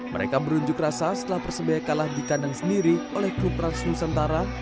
mereka berunjuk rasa setelah persebaya kalah di kandang sendiri oleh klub raks nusantara